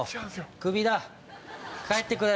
クビだ！